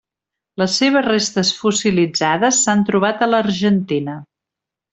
Les seves restes fossilitzades s'han trobat a l'Argentina.